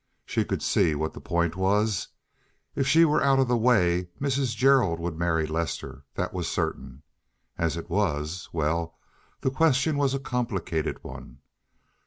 She could see what the point was. If she were out of the way Mrs. Gerald would marry Lester; that was certain. As it was—well, the question was a complicated one.